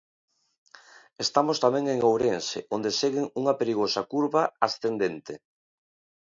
Estamos tamén en Ourense, onde seguen unha perigosa curva ascendente.